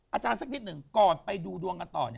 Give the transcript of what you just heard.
อาจารย์สักนิดหนึ่งก่อนไปดูดวงต่อ